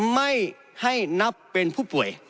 ไม่ให้นับเป็นผู้ป่วย